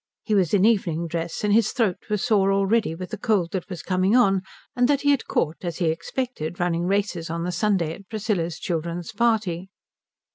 He was in evening dress, and his throat was sore already with the cold that was coming on and that he had caught, as he expected, running races on the Sunday at Priscilla's children's party.